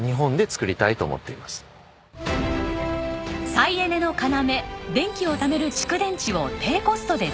再エネの要電気をためる蓄電池を低コストで作りたい。